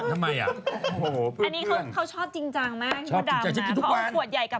นี่เค้ากินทุกครั้ง